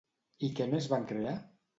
I què més van crear?